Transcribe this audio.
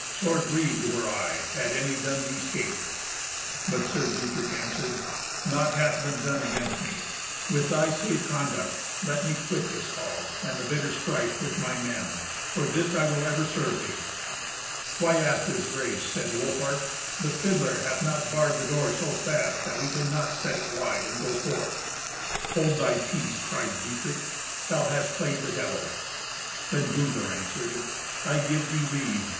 Sore grieved were I, had any done thee scathe." But Sir Dietrich answered, "Naught hath been done against me. With thy safe conduct let me quit this hall, and the bitter strife, with my men. For this I will ever serve thee." "Why ask this grace?" said Wolfhart. "The fiddler hath not barred the door so fast that we cannot set it wide, and go forth." "Hold thy peace," cried Dietrich. "Thou hast played the Devil." Then Gunther answered, "I give thee leave.